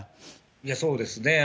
いや、そうですね。